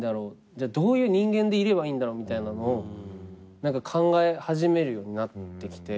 どういう人間でいればいいんだろうみたいなのを考え始めるようになってきて。